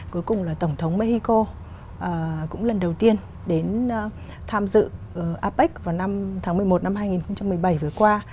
cuối cùng là tổng thống mexico cũng lần đầu tiên đến tham dự apec vào năm tháng một mươi một năm hai nghìn một mươi bảy vừa qua